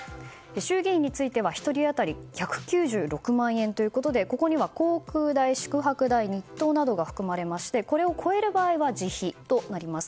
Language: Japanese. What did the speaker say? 衆議院については１人当たり１９６万円ということでここには航空代、宿泊代日当などが含まれましてこれを超える場合は自費となります。